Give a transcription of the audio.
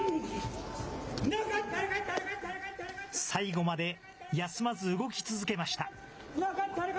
最後まで休まず動き続けました。